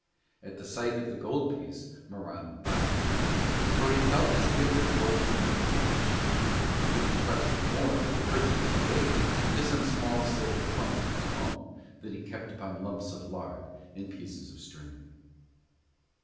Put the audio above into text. At the sight of the gold piece Morano bowed, for he felt this gift of gold to be an occasion; but he trusted more for the purchase of the bacon to some few small silver coins of his own that he kept among lumps of lard and pieces of string.